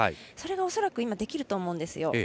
それが恐らく今、できると思うんですよ。